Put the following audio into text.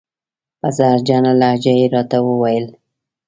په زهرجنه لهجه یې را ته و ویل: